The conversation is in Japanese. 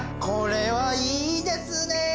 これはいいですね！